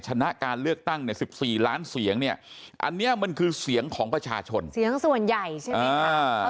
ชนะการเลือกตั้งเนี่ย๑๔ล้านเสียงเนี่ยอันนี้มันคือเสียงของประชาชนเสียงส่วนใหญ่ใช่ไหมคะ